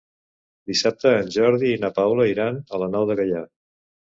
Dissabte en Jordi i na Paula iran a la Nou de Gaià.